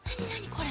これ。